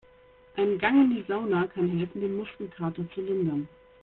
Ein Gang in die Sauna kann helfen, den Muskelkater zu lindern.